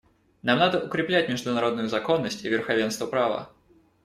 Нам надо укреплять международную законность и верховенство права.